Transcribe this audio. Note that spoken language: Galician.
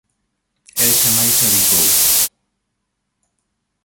El xamais a bicou.